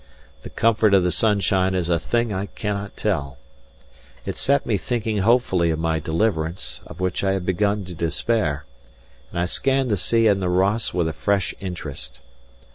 The comfort of the sunshine is a thing I cannot tell. It set me thinking hopefully of my deliverance, of which I had begun to despair; and I scanned the sea and the Ross with a fresh interest.